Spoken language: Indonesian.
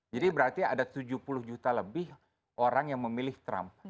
jadi berarti ada tujuh puluh juta lebih orang yang memilih trump